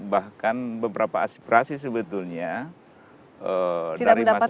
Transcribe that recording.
bahkan beberapa aspirasi sebetulnya dari masyarakat